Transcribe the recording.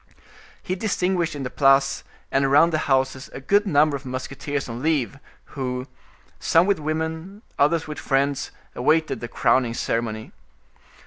He distinguished in the Place and around the houses a good number of musketeers on leave, who, some with women, others with friends, awaited the crowning ceremony.